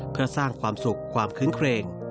เพื่อสร้างความสุขความคื้นเครง